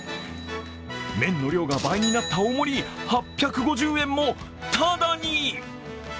麺の量が倍になった大盛り、８５０円もただに。